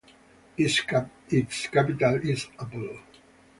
Its capital is Apolo.